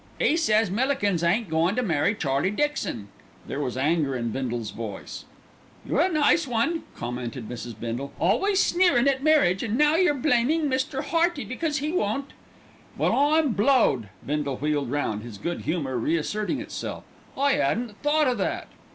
"'E says Millikins ain't goin' to marry Charlie Dixon." There was anger in Bindle's voice. "You're a nice one," commented Mrs. Bindle, "Always sneerin' at marriage, an' now you're blaming Mr. Hearty because he won't " "Well, I'm blowed!" Bindle wheeled round, his good humour re asserting itself, "I 'adn't thought o' that."